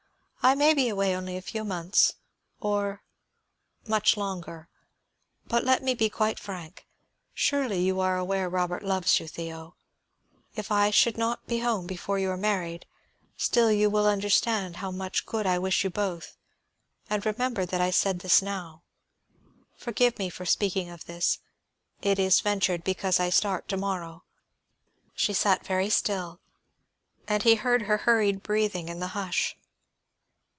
I may be away only a few months, or much longer. But let me be quite frank; surely you are aware Robert loves you, Theo. If I should not be home before you are married, still you will understand how much good I wish you both, and remember that I said this now. Forgive me for speaking of this; it is ventured because I start to morrow." She sat very still, and he heard her hurried breathing in the hush.